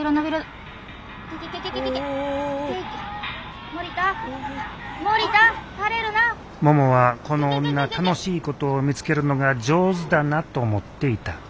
ももはこの女楽しいことを見つけるのが上手だなと思っていた。